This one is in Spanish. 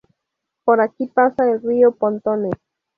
Por aquí pasa el río Pontones.